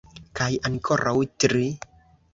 Kaj ankoraŭ tri.